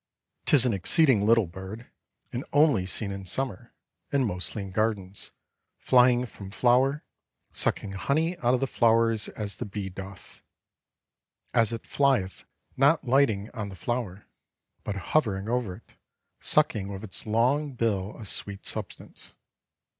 'Tis an exceeding little Bird, and only seen in Summer, and mostly in gardens, flying from flower, sucking Honey out of the flowers as the Bee doth; as it flieth not lighting on the flower, but hovering over it, sucking with its long Bill a sweet substance.